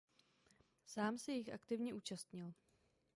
Sám se jich aktivně účastnil.